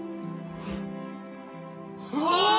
ああ！